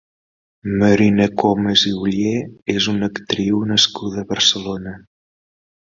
Marina Comas i Oller és una actriu nascuda a Barcelona.